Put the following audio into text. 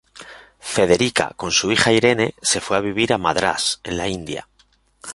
Federica, con su hija Irene, se fue a vivir a Madrás, en La India.